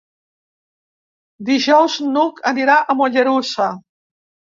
Dijous n'Hug anirà a Mollerussa.